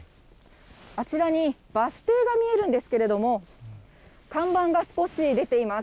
あちらにバス停が見えるんですけれども、看板が少し出ています。